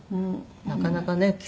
なかなかね